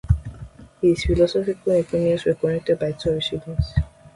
His philosophical opinions were collected by two of his students.